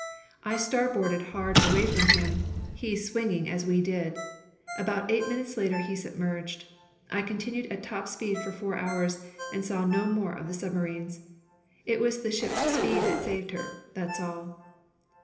"I starboarded hard away from him, he swinging as we did. About eight minutes later he submerged. I continued at top speed for four hours and saw no more of the submarines. It was the ship's speed that saved her, that's all.